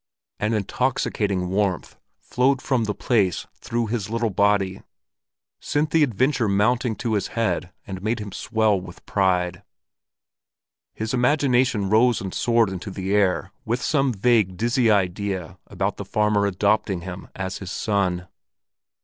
An intoxicating warmth flowed from the place through his little body, sent the adventure mounting to his head and made him swell with pride. His imagination rose and soared into the air with some vague, dizzy idea about the farmer adopting him as his son.